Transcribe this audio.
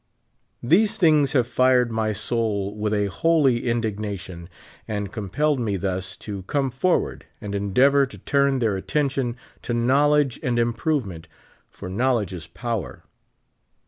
These things have fired my soul with a holy indignation, and compelled me thus to come forward and endeavor to turn their attention to knowledge and improvement, for knowledge is power.